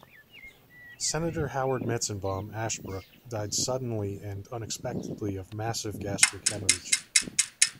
Senator Howard Metzenbaum, Ashbrook died suddenly and unexpectedly of a massive gastric hemorrhage.